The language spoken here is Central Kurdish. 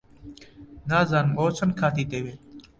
نازانم ئەوە چەند کاتی دەوێت.